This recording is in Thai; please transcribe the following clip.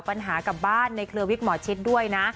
ปัญหากับบ้านในเครือวิกหมอชิดด้วยนะ